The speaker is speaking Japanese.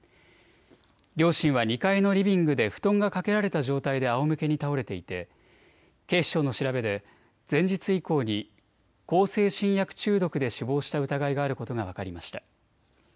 両親は２階のリビングで布団がかけられた状態であおむけに倒れていて警視庁の調べで前日以降に向精神薬中毒で死亡した疑いがあることが分かりました。